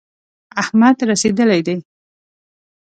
احمد رسېدلی دی.